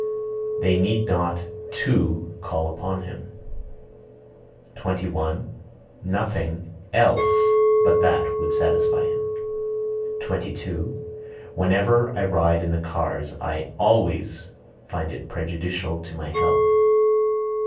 They need not (to) call upon him. 21. Nothing (else) but that would satisfy him. 22. Whenever I ride in the cars I (always) find it prejudicial to my health.